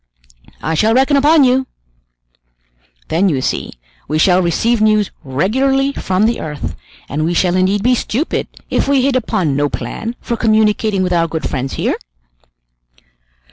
"I shall reckon upon you! Then, you see, we shall receive news regularly from the earth, and we shall indeed be stupid if we hit upon no plan for communicating with our good friends here!"